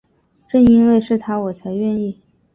正因为是他我才愿意